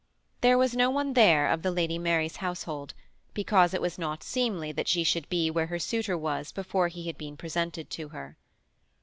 There was no one there of the Lady Mary's household, because it was not seemly that she should be where her suitor was before he had been presented to her.